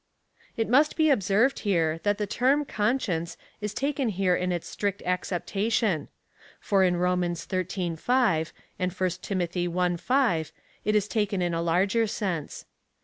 It must be observed here, that the term conscience is taken here in its strict acceptation ; for in Rom. xiii. 5, and 1 Tim. i. 5, it is taken in a larger sense.